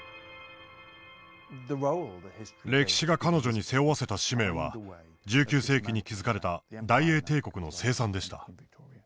歴史が彼女に背負わせた使命は１９世紀に築かれた大英帝国の清算でした。